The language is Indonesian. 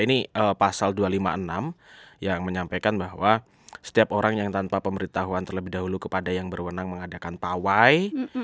ini pasal dua ratus lima puluh enam yang menyampaikan bahwa setiap orang yang tanpa pemberitahuan terlebih dahulu kepada yang berwenang mengadakan pawai